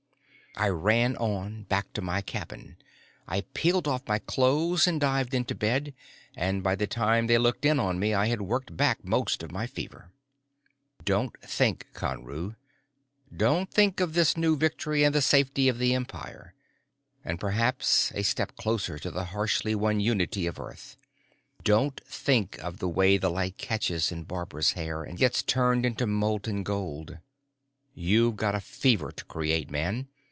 I ran on, back to my cabin. I peeled off my clothes and dived into bed, and by the time they looked in on me I had worked back most of my fever. Don't think, Conru. Don't think of this new victory and the safety of the Empire. And, perhaps, a step closer to the harshly won unity of Earth. Don't think of the way the light catches in Barbara's hair and gets turned into molten gold. You've got a fever to create, man.